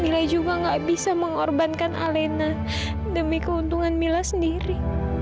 mila juga gak bisa mengorbankan alena demi keuntungan mila sendiri